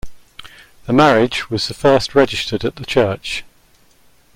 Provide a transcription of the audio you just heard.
The marriage was the first registered at the church.